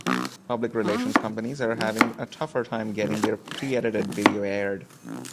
Public relations companies are having a tougher time getting their pre-edited video aired.